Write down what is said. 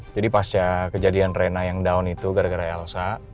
jadi pas ya kejadian rena yang down itu gara gara elsa